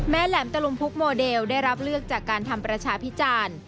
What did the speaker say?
แหลมตะลุมพุกโมเดลได้รับเลือกจากการทำประชาพิจารณ์